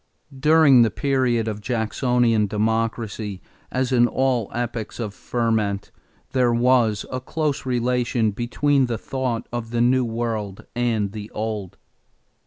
= During the period of Jacksonian Democracy, as in all epochs of ferment, there was a close relation between the thought of the New World and the Old.